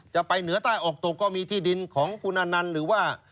ไปเหนือใต้ออกตกก็มีที่ดินของคุณอนันต์หรือว่า